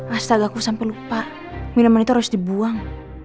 astag aku sampai lupa minuman itu harus dibuang